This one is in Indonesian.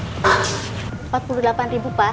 empat puluh delapan ribu pak